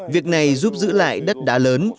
việc này giúp giữ lại đất đá lớn